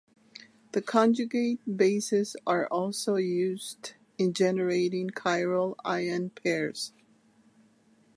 The conjugate bases are also used in generating chiral ion pairs.